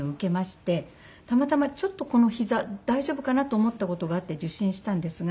たまたまちょっとこの膝大丈夫かな？と思った事があって受診したんですが。